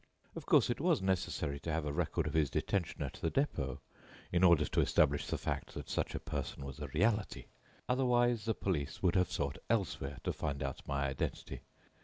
Of course, it was necessary to have a record of his detention at the Dépôt in order to establish the fact that such a person was a reality; otherwise, the police would have sought elsewhere to find out my identity.